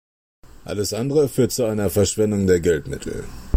Alles andere führt zu einer Verschwendung der Geldmittel.